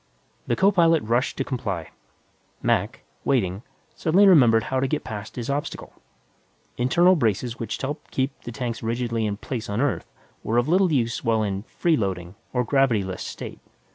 The co pilot rushed to comply. Mac, waiting, suddenly remembered how to get past his obstacle. Internal braces which helped keep the tanks rigidly in place on Earth were of little use while in "freeloading," or gravity less, state.